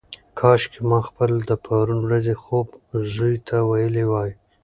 کاشکي ما خپل د پرون ورځې خوب زوی ته ویلی وای.